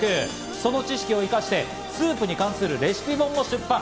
その知識を生かしてスープに関するレシピ本も出版。